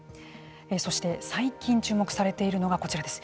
そして最近、注目されているのがこちらです。